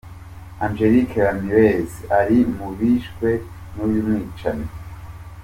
Angelique Ramirez ari mu bishwe n’uyu mwicanyi.